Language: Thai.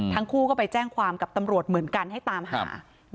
ทั้งคู่ก็ไปแจ้งความกับตำรวจเหมือนกันให้ตามหา